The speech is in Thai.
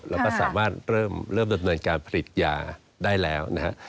เราก็สามารถเริ่มเริ่มดำเนินการผลิตยาได้แล้วนะครับ